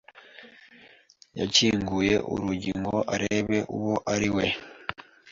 yakinguye urugi ngo arebe uwo ari we.